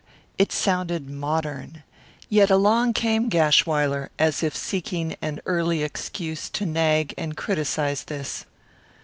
It sounded modern. Yet along came Gashwiler, as if seeking an early excuse to nag, and criticized this.